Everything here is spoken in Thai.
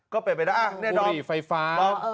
ก็เป็นไปได้อ้าวเนี่ยดอม